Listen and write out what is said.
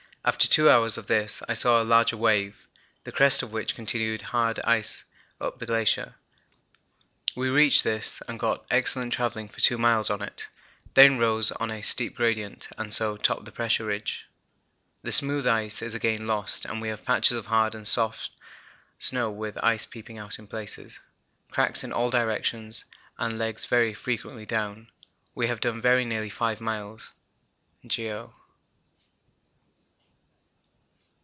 After two hours of this I saw a larger wave, the crest of which continued hard ice up the glacier; we reached this and got excellent travelling for 2 miles on it, then rose on a steep gradient, and so topped the pressure ridge. The smooth ice is again lost and we have patches of hard and soft snow with ice peeping out in places, cracks in all directions, and legs very frequently down. We have done very nearly 5 miles (geo.).